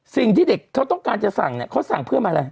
สิ่งที่เด็กเขาต้องการจะสั่งเนี่ยเขาสั่งเพื่อมาอะไร